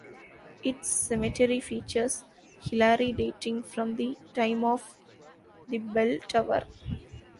Its cemetery features Hilarri dating from the time of the bell tower.